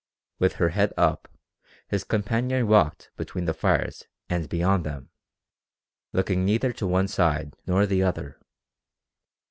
With her head up, his companion walked between the fires and beyond them, looking neither to one side nor the other.